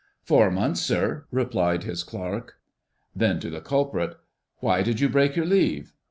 "Four months, sir," replied his Clerk. Then to the culprit: "Why did you break your leave?"